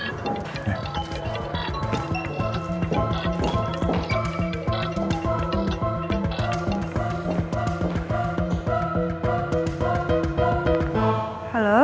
nanti aku mau ke rumah